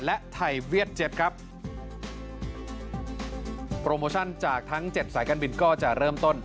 และไทยเวียดเจ็บครับโปรโมชั่นจากทั้งเจ็ดสายการบินก็จะเริ่มต้น